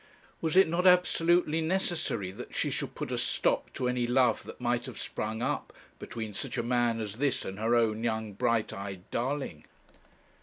Was it not absolutely necessary that she should put a stop to any love that might have sprung up between such a man as this and her own young bright eyed darling?